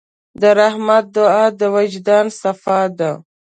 د رحمت دعا د وجدان صفا ده.